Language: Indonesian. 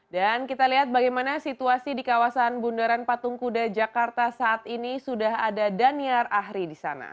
dan kita lihat bagaimana situasi di kawasan bundaran patung kuda jakarta saat ini sudah ada daniar ahri di sana